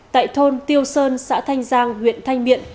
tại thôn tiêu sơn xã thanh giang huyện thanh miện